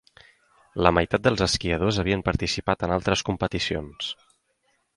La meitat dels esquiadors havien participat en altres competicions.